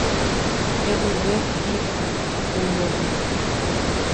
He'uve pizza Júliogui.